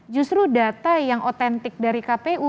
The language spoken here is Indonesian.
justru data yang otentik dari kpu